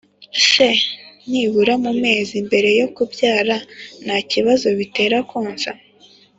se nibura mu mezi mbere yo kubyara nta kibazo bitera konsa